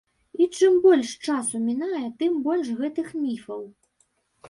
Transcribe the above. І чым больш часу мінае, тым больш гэтых міфаў.